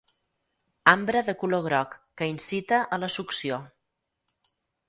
Ambre de color groc que incita a la succió.